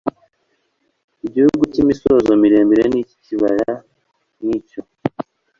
igihugu cy imisozi miremire n icy ikibaya n icyo